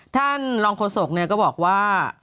ท่านรองโฆษกก็บอกว่า